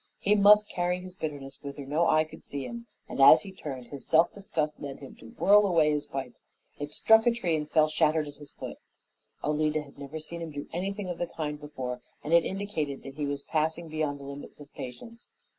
He must carry his bitterness whither no eye could see him, and as he turned, his self disgust led him to whirl away his pipe. It struck a tree and fell shattered at its foot. Alida had never seen him do anything of the kind before, and it indicated that he was passing beyond the limits of patience.